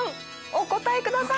お答えください。